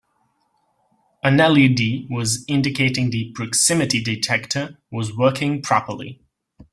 An LED was indicating the proximity detector was working properly.